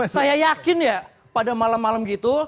saya yakin ya pada malam malam gitu